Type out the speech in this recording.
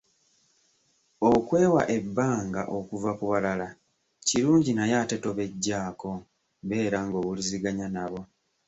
Okwewa ebbanga okuva ku balala kirungi naye ate tobeggyaako, beera ng’owuliziganya nabo.